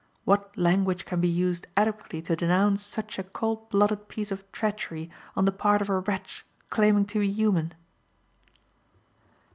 What language can be used adequately to denounce such a cold blooded piece of treachery on the part of a wretch claiming to be human?